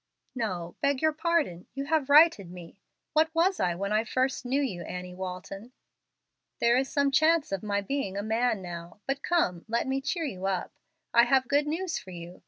"No, beg your pardon, you have righted me. What was I when I first knew you, Annie Walton? There is some chance of my being a man now. But come, let me cheer you up. I have good news for you.